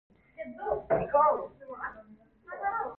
複雜的句子請截斷成兩句